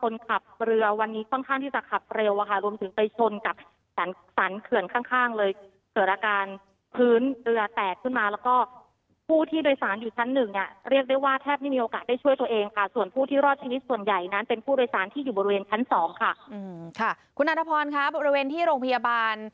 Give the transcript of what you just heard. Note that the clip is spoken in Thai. อยู่บริเวณทั้งสองค่ะอืมค่ะคุณนัทพรครับบริเวณที่โรงพยาบาล